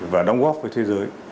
và đóng góp với thế giới